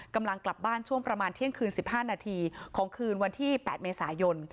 กำลังกลับบ้านช่วงประมาณเที่ยงคืน๑๕นาทีของคืนวันที่๘เมษายน